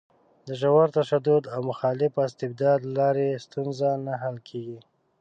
د زور، تشدد او مخالف استبداد له لارې ستونزه نه حل کېږي.